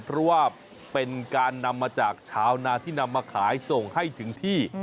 เพราะว่าเป็นการนำมาจากชาวนาที่นำมาขายส่งให้ถึงที่